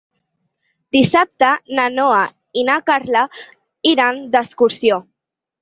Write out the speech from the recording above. Dissabte na Noa i na Carla iran d'excursió.